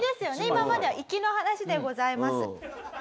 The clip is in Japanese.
今までは行きの話でございます。